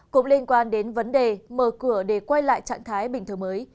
cũng liên quan đến vấn đề mở cửa để quay lại trạng thái bình thường mới